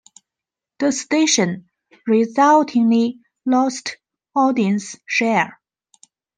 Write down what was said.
The station resultingly lost audience share.